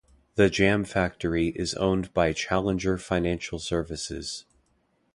The Jam Factory is owned by Challenger Financial Services.